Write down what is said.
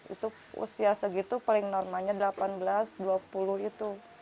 itu usia segitu paling normalnya delapan belas dua puluh itu